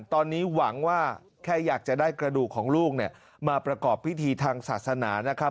ตอนนี้หวังว่าแค่อยากจะได้กระดูกของลูกมาประกอบพิธีทางศาสนานะครับ